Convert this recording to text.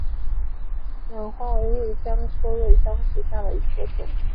芫花为瑞香科瑞香属下的一个种。